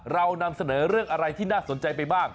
เรานำเสนอเรื่องอะไรที่น่าสนใจไปบ้าง